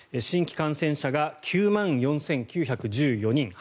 新規感染者が９万４９１４人。